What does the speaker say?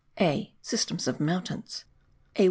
A. SYSTEMS OF MOUNTAINS. A.